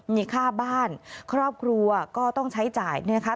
มีค่าบ้านครอบครัวก็ต้องใช้จ่ายนะคะ